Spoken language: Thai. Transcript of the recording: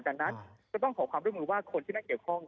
ดังนั้นก็ต้องขอความร่วมมือว่าคนที่นั่งเกี่ยวข้อง